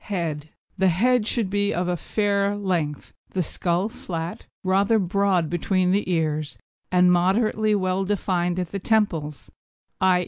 HEAD The head should be of a fair length; the skull flat, rather broad between the ears, and moderately well defined at the temples _i.